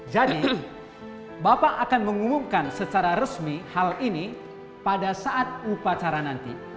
jadi bapak akan mengumumkan secara resmi hal ini pada saat upacara nanti